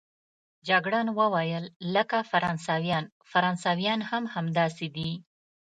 جګړن وویل: لکه فرانسویان، فرانسویان هم همداسې دي.